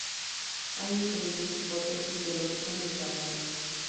Hay diferentes hipótesis del origen de Salou.